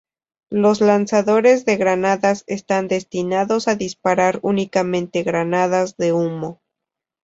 Los lanzadores de granadas están destinados a disparar únicamente granadas de humo.